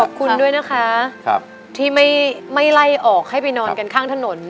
ขอบคุณด้วยนะคะที่ไม่ไล่ออกให้ไปนอนกันข้างถนน